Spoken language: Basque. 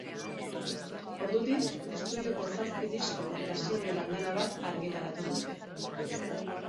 Ordutik, estudioko zazpi disko eta single andana bat argitaratu dute.